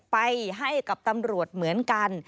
ไปให้กับตำรวจเหมือนกัน